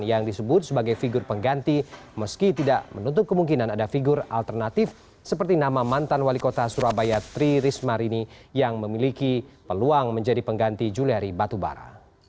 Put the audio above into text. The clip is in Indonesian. yang disebut sebagai figur pengganti meski tidak menutup kemungkinan ada figur alternatif seperti nama mantan wali kota surabaya tri rismarini yang memiliki peluang menjadi pengganti juliari batubara